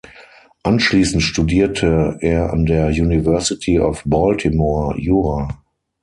Anschließend studierte er an der University of Baltimore Jura.